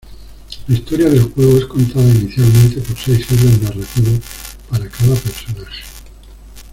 La historia del juego es contada inicialmente por seis hilos narrativos para cada personaje.